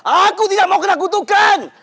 aku tidak mau kita kutukan